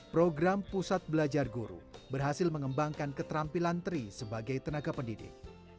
program pusat belajar guru berhasil mengembangkan keterampilan tri sebagai tenaga pendidik